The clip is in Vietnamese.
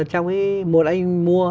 trong cái một anh mua